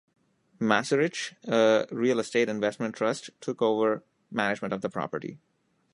Macerich, a Real Estate Investment Trust, took over management of the property.